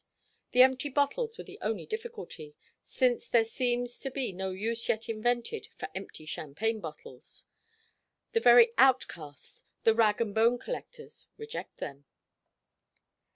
The empty bottles were the only difficulty, since there seems to be no use yet invented for empty champagne bottles; the very outcasts, the rag and bone collectors, reject them.